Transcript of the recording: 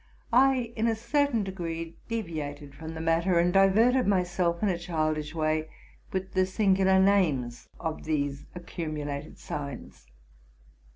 I in a certain degree deviated from the matter, and diverted myself, in a childish way, with the singular names of these accumulated signs.